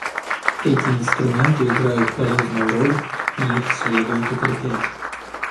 Эти инструменты играют полезную роль, и их следует укреплять.